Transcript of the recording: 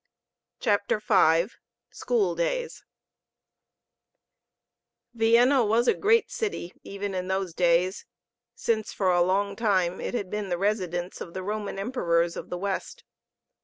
CHAPTER V SCHOOL DAYS Vienna WAS a great city, even in those days, since for a long time it had been the residence of the Roman Emperors of the West.